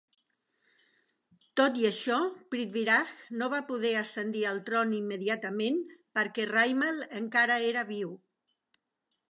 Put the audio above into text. Tot i això, Prithviraj no va poder ascendir al tron immediatament perquè Raimal encara era viu.